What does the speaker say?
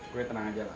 gue tenang aja lah